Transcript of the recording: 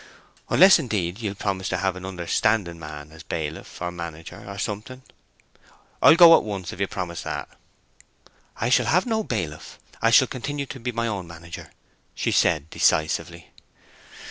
Unless, indeed, you'll promise to have an understanding man as bailiff, or manager, or something. I'll go at once if you'll promise that." "I shall have no bailiff; I shall continue to be my own manager," she said decisively.